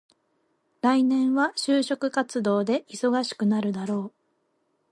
来年は就職活動で忙しくなるだろう。